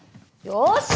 よし！